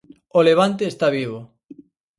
O Levante está vivo.